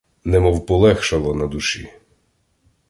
Немов полегшало на душі.